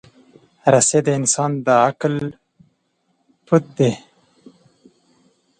رسۍ د انسان د عقل پُت دی.